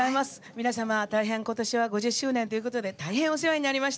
皆様、大変今年は５０周年ということで大変、お世話になりました。